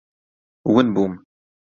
ون بووم.